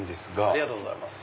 ありがとうございます。